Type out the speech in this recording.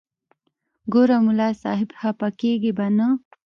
ګوره ملا صاحب خپه کېږې به نه.